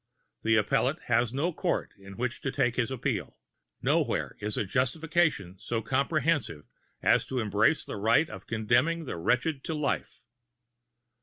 The appellant has no court to which to take his appeal. Nowhere is a jurisdiction so comprehensive as to embrace the right of condemning the wretched to life.